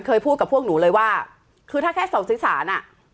เคยพูดกับพวกหนูเลยว่าคือถ้าแค่สองสื่อสารอ่ะ